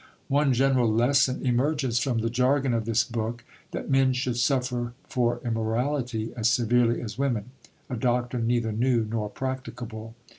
One general "lesson" emerges from the jargon of this book that men should suffer for immorality as severely as women, a doctrine neither new nor practicable.